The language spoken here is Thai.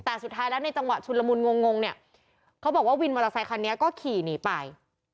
แต่สุดท้ายแล้วในจังหวะชุนละมุนงงงเนี่ยเขาบอกว่าวินมอเตอร์ไซคันนี้ก็ขี่หนีไป